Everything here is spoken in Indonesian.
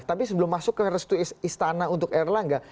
tapi sebelum masuk ke restu istana untuk erlangga